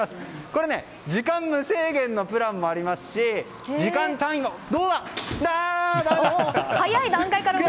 これね、時間無制限のプランもありますし時間単位のどうだ！